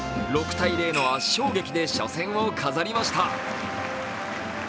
６−０の圧勝劇で初戦を飾りました。